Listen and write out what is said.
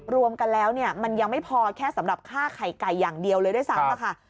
รวมกันแล้วมันยังไม่พอแค่สำหรับค่าไข่ไก่อย่างเดียวเลยด้วยซ้ำค่ะ